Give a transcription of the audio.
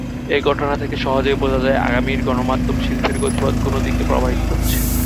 এসব ঘটনা থেকে সহজেই বোঝা যায় আগামীর গণমাধ্যম শিল্পের গতিপথ কোন দিকে প্রবাহিত হচ্ছে।